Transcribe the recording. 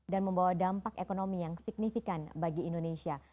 dan membawa dampak ekonomi yang signifikan bagi indonesia